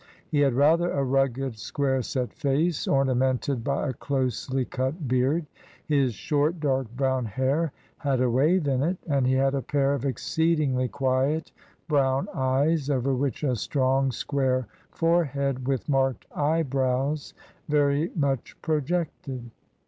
He had rather a rugged, square set face, orna mented by a closely cut beard; his short, dark brown hair had a wave in it, and he had a pair of exceedingly quiet brown eyes, over which a strong square forehead with marked eyebrows very much projected.